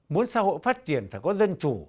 muốn xã hội phát triển phải có dân chủ